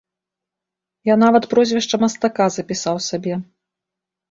Я нават прозвішча мастака запісаў сабе.